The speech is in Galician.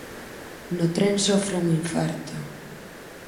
No tren sofre un infarto.